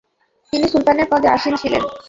তিনি সুলতানের পদে আসীন ছিলেন।